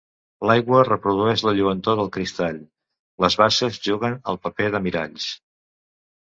L'aigua reprodueix la lluentor del cristall, les basses juguen el paper de miralls.